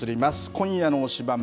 今夜の推しバン！